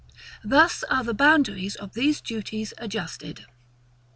Thus are the boundaries of these duties adjusted.